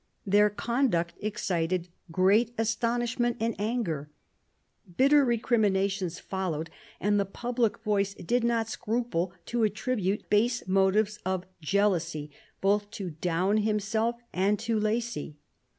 Their conduct excited great astonishment and anger. Bitter recriminations followed, and the public voice did not scruple to attribute base motives of jealousy both to Daun himself and to Lacy.